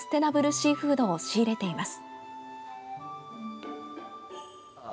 シーフードを仕入れています。